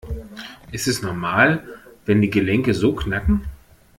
Ist es normal, wenn die Gelenke so knacken?